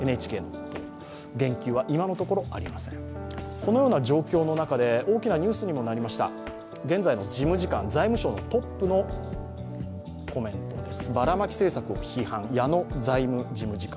このような状況の中で大きなニュースにもなりました、現在の事務次官、財務省のトップのコメントです。